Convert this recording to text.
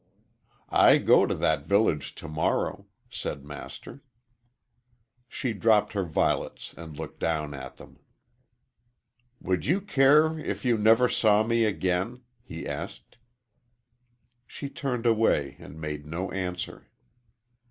"I go to that village to morrow," said Master. She dropped her violets and looked down at them. "Would you care if you never saw me again?" he asked. She turned away and made no answer.